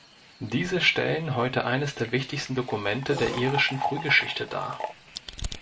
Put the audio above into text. Diese stellen heute eines der wichtigsten Dokumente der irischen Frühgeschichte dar.